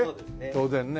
当然ね。